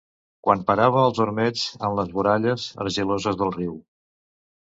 Quan parava els ormeigs en les voralles argiloses del riu